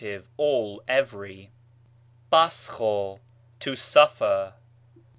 all, every. πάσχω, to suffer.